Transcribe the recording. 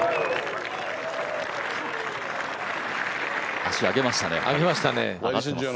足、上げましたね。